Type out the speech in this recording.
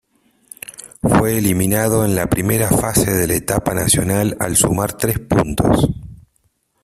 Fue eliminado en la primera fase de la Etapa Nacional al sumar tres puntos.